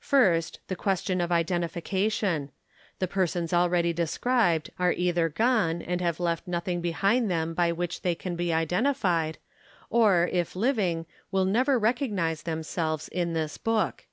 First, the question of identification. The persons already described are either gone and have left nothing behind them by which they can be identified, or, if living, will never recognize themselves in this book.